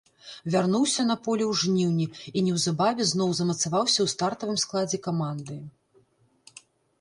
Вярнуўся на поле ў жніўні і неўзабаве зноў замацаваўся ў стартавым складзе каманды.